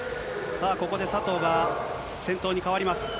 ここで佐藤が先頭に代わります。